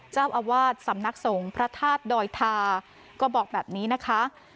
เจ้าอาวาสสำนักสงฆ์พระธาตุดอยทาก็บอกแบบนี้นะคะ